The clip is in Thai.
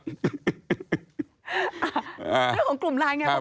เรื่องของกลุ่มลายเนี่ย